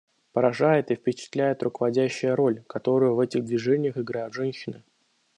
Поражает и впечатляет руководящая роль, которую в этих движениях играют женщины.